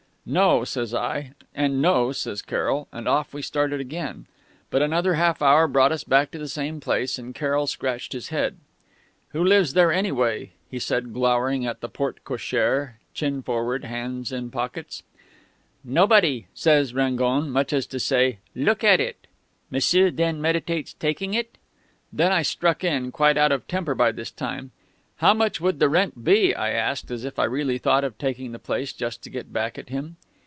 "'No,' says I, and 'No,' says Carroll ... and off we started again.... "But another half hour brought us back to the same place, and Carroll scratched his head. "'Who lives there, anyway?' he said, glowering at the porte cochère, chin forward, hands in pockets. "'Nobody,' says Rangon, as much as to say 'look at it!' 'M'sieu then meditates taking it?'... "Then I struck in, quite out of temper by this time. "'How much would the rent be?' I asked, as if I really thought of taking the place just to get back at him.